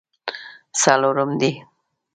څلورم دی.